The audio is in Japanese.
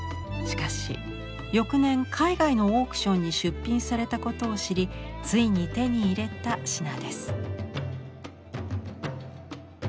しかし翌年海外のオークションに出品されたことを知りついに手に入れた品です。